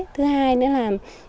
thứ hai nữa là